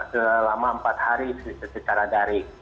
selama empat hari secara daring